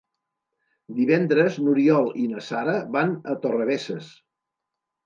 Divendres n'Oriol i na Sara van a Torrebesses.